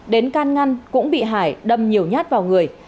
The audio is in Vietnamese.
đến can ngăn cũng bị hải đâm nhiều nhát vào người